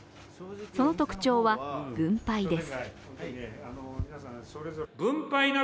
その特徴は分配です。